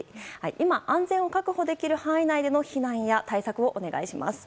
今、安全を確保できる範囲での避難や対策をお願いします。